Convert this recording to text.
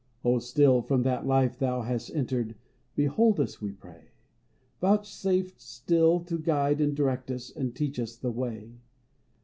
Oh, still, from that life thou hast entered. Behold us, we pray ! Vouchsafe still to guide and direct us. And teach us the Way.